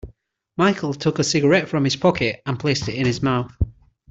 Michael took a cigarette from his pocket and placed it in his mouth.